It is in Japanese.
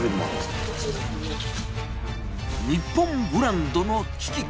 日本ブランドの危機か。